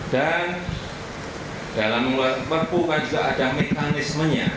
dan dalam mengeluarkan perpu kan juga ada mekanismenya